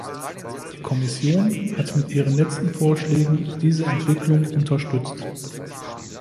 Die Kommission hat mit ihren letzten Vorschlägen diese Entwicklung unterstützt.